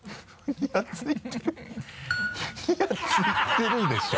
ニヤついてるでしょ。